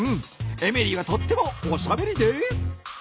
エメリーはとってもおしゃべりです。